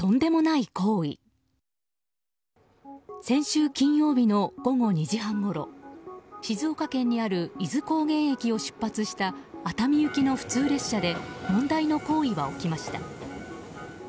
先週金曜日の午後２時半ごろ静岡県にある伊豆高原駅を出発した熱海行きの普通列車で問題の行為が起きました。